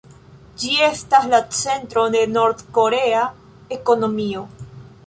Ĝi estas la centro de Nord-korea ekonomio.